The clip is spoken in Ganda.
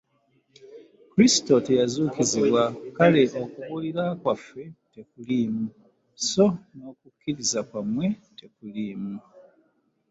Kristo teyazuukizibwa, kale okubuulira kwaffe tekuliimu, so n'okukkiriza kwammwe tekuliimu.